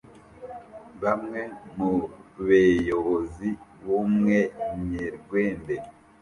Bemwe mu beyobozi b’Ubumwe nyerwende